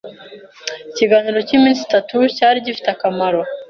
Ikiganiro cyiminsi itatu cyari gifite akamaro.